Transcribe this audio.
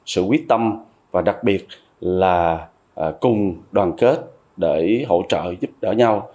sự quyết tâm và đặc biệt là cùng đoàn kết để hỗ trợ giúp đỡ nhau